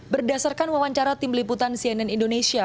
berdasarkan wawancara tim liputan cnn indonesia